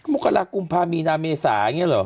มกรากุมภามีนาเมษาอย่างนี้เหรอ